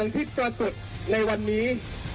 ที่ตรวจตุดในวันนี้